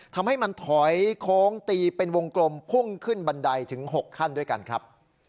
ทำให้มันถอยโค้งตีเป็นวงกลมพุ่งขึ้นบันไดถึง๖ขั้นด้วยกันครับ